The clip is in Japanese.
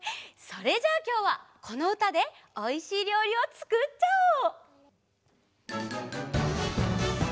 それじゃあきょうはこのうたでおいしいりょうりをつくっちゃおう！